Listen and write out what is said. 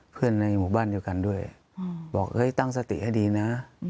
เพื่อนในหมู่บ้านอยู่กันด้วยบอกเฮ้ยตั้งสติให้ดีนะ